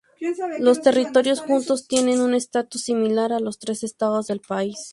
Los territorios juntos tienen un estatus similar a los trece estados del país.